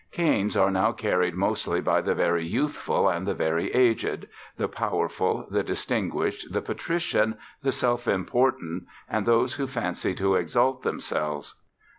Canes are now carried mostly by the very youthful and the very aged, the powerful, the distinguished, the patrician, the self important, and those who fancy to exalt themselves.